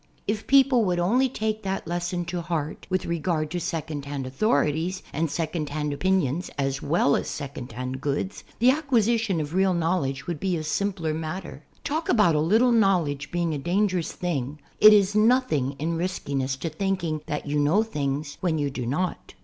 If people would only take that lesson to heart with regard to second hand authorities and second hand opinions as well as second hand goods, the acquisition of real knowledge would be a simpler matter. Talk about a little knowledge being a dangerous thing, it is nothing in riskiness to thinking that you know things when you do not.